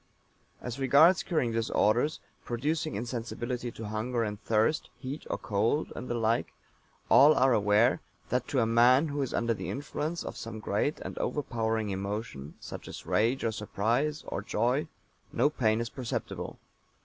As regards curing disorders, producing insensibility to hunger and thirst, heat or cold, and the like, all are aware that to a man who is under the influence of some great and overpowering emotion, such as rage or surprise, or joy, no pain is perceptible.